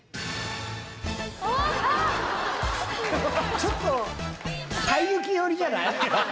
ちょっと『西遊記』寄りじゃない？